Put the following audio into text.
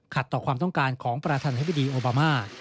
ต่อความต้องการของประธานธิบดีโอบามา